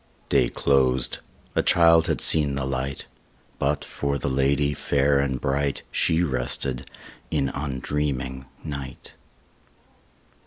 Day closed; a child had seen the light; But, for the lady fair and bright, She rested in undreaming night.